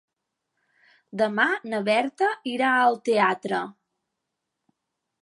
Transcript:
Demà na Berta irà al teatre.